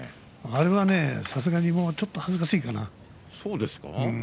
あれはねもうさすがにちょっと恥ずかしいかな